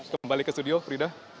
kembali ke studio frida